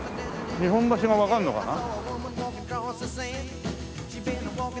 日本橋がわかるのかな。